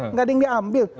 nggak ada yang diambil